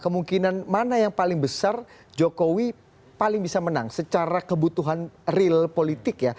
kemungkinan mana yang paling besar jokowi paling bisa menang secara kebutuhan real politik ya